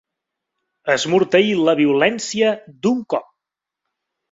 Esmorteir la violència d'un cop.